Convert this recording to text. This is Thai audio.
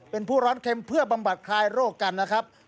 เพื่อบำบัดคลายโรคกันนะครับ